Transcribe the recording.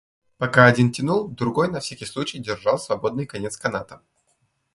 Пока один тянул, другой на всякий случай держал свободный конец каната.